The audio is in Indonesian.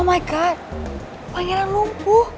oh my god pangeran lumpuh